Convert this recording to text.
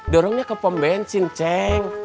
dorongnya ke pom bensin ceng